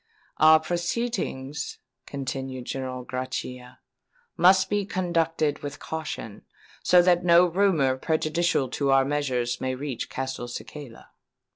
"Our proceedings," continued General Grachia, "must be conducted with caution, so that no rumour prejudicial to our measures may reach Castelcicala."